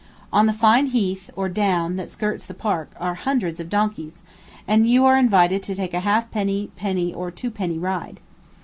On the fine heath, or down, that skirts the Park, are hundreds of donkeys, and you are invited to take a halfpenny, penny, or twopenny ride.